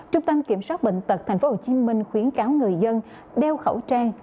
trung tâm kiểm soát bệnh tật tp hcm khuyến cáo người dân đeo khẩu trang